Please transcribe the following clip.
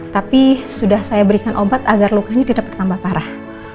tapi sudah saya berikan obat agar lukanya tidak bertambah parah